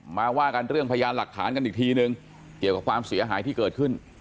มาว่ากันเรื่องพยานหลักฐานกันอีกทีนึงเกี่ยวกับความเสียหายที่เกิดขึ้น